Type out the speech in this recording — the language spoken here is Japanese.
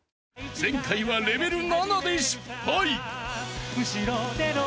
［前回はレベル７で失敗］